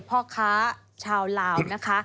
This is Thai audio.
พ่อฆ๊าชาวเหล่านะคะ